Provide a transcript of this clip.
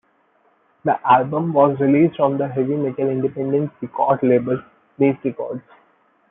The album was released on heavy metal independent record label, Neat Records.